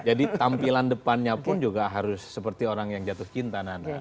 jadi tampilan depannya pun juga harus seperti orang yang jatuh cinta